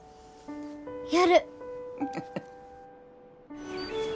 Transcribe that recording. やる。